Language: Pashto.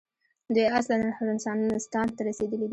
دوی اصلاً رنسانستان ته رسېدلي دي.